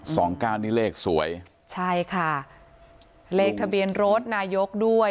สองเก้านี่เลขสวยใช่ค่ะเลขทะเบียนรถนายกด้วย